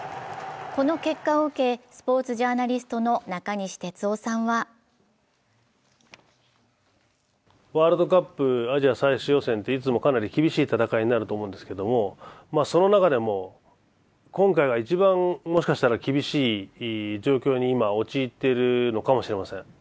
この結果を受け、スポーツジャーナリストの中西哲生さんはワールドカップ・アジア最終予選っていつもかなり厳しい戦いになると思うんですけどもその中でも今回が一番もしかしたら厳しい状況に今、陥っているのかもしれません。